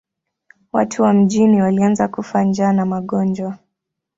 Watu wa mjini walianza kufa njaa na magonjwa.